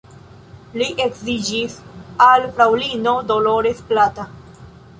Li edziĝis al fraŭlino Dolores Plata.